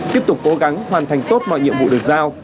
tiếp tục cố gắng hoàn thành tốt mọi nhiệm vụ được giao